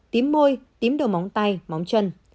tím môi tím đầu móng tay móng chân